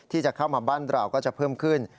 ที่จะเข้ามาบ้านเราก็จะเพิ่มขึ้น